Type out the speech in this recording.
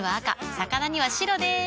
魚には白でーす。